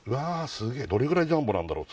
すげえどれぐらいジャンボなんだろう？